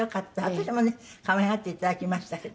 私もね可愛がっていただきましたけど。